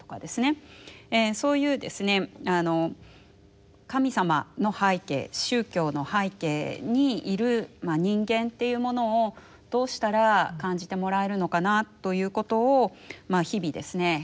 そういう神様の背景宗教の背景にいる人間っていうものをどうしたら感じてもらえるのかなということを日々ですね